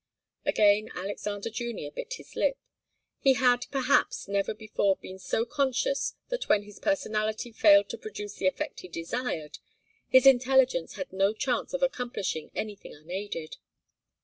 Again Alexander Junior bit his lip. He had, perhaps, never before been so conscious that when his personality failed to produce the effect he desired, his intelligence had no chance of accomplishing anything unaided.